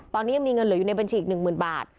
ตอนนี้ยังมีเงินเหลืออยู่ในบัญชีอีก๑๐๐๐บาท